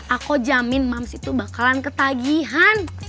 aku jamin mums itu bakalan ketagihan